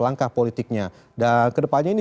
langkah politiknya dan kedepannya ini